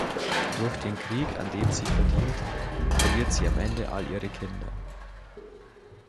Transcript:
Durch den Krieg, an dem sie verdient, verliert sie am Ende alle ihre Kinder.